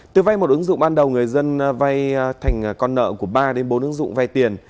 từ vay một ứng dụng ban đầu người dân vay thành con nợ của ba bốn ứng dụng vay tiền